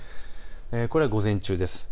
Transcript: これは午前中です。